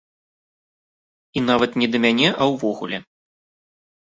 І нават не да мяне, а ўвогуле.